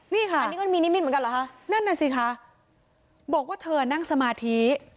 นี่ค่ะนั่นน่ะสิค่ะบอกว่าเธอนั่งสมาธิ